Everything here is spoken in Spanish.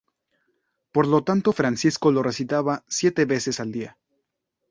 Por lo tanto Francisco lo recitaba siete veces al día.